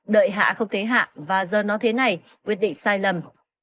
đợi hạ không thế hạ và giờ nó thế này quyết định sai lầm